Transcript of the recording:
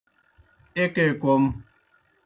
ایْکے کوْم۔